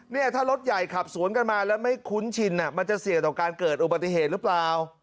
เนี่ยถ้ารถใหญ่ขับสวนกันมาแล้วไม่คุ้นชินมันจะเสี่ยงต่อการเกิดอุบัติเหตุหรือเปล่า